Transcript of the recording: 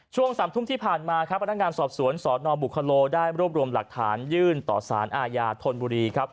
ช่วง๓ทุ่มที่ผ่านมาครับพนักงานสอบสวนสนบุคโลได้รวบรวมหลักฐานยื่นต่อสารอาญาธนบุรีครับ